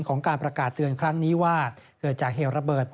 การประกาศเตือนครั้งนี้ว่าเกิดจากเหตุระเบิด